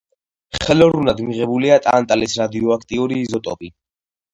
ხელოვნურად მიღებულია ტანტალის რადიოაქტიური იზოტოპი.